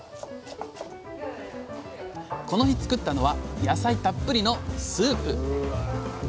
この日作ったのは野菜たっぷりのスープ。